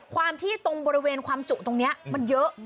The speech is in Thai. ความที่ตรงบริเวณความจุตรงนี้มันเยอะ